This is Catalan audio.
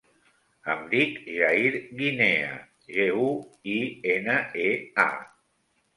Em dic Jair Guinea: ge, u, i, ena, e, a.